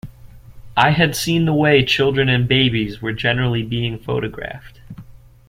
I had seen the way children and babies were generally being photographed.